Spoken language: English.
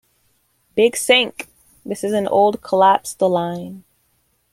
Big Sink - this is an old collapsed doline.